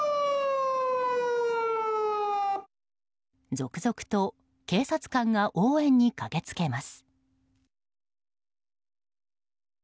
続々と警察官が応援に駆けつけます。